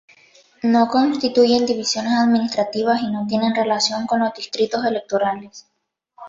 No constituyen divisiones administrativas y no tienen relación con los distritos electorales.